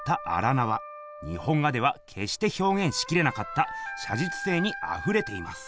日本画ではけっして表現しきれなかったしゃじつせいにあふれています。